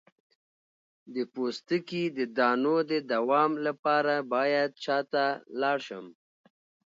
د پوستکي د دانو د دوام لپاره باید چا ته لاړ شم؟